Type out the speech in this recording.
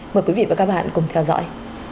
mời quý vị và các bạn cùng theo dõi